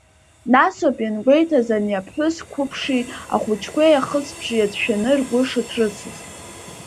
Насоуп иангәеиҭаз ани аԥҳәыс қәыԥши ахәыҷқәеи ахысбжьы иацәшәаны ргәы шыҭрысыз.